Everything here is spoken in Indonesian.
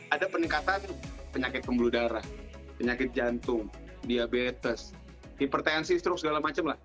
ada peningkatan penyakit pembuluh darah penyakit jantung diabetes hipertensi stroke segala macam lah